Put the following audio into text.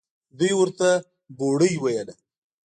دوى ورته بوړۍ ويله.